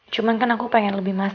cuman kan aku pengen lebih masuk